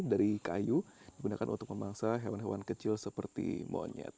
dari kayu digunakan untuk memangsa hewan hewan kecil seperti monyet